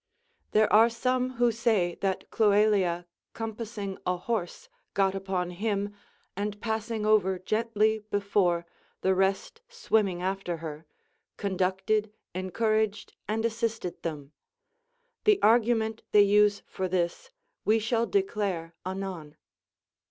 There are some who say that Cloelia compassing a horse got upon him, and passing over gently before, the rest swimming after her, conducted, encouraged, and assisted them ; the argument they use for this we shall declare anon.